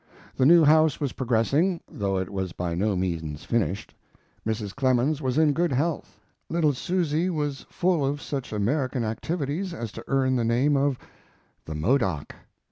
The new house was progressing, though it was by no means finished. Mrs. Clemens was in good health. Little Susy was full of such American activities as to earn the name of "The Modoc."